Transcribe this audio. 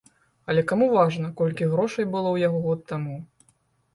Але каму важна, колькі грошай было ў яго год таму?